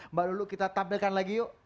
mbak lulu kita tampilkan lagi yuk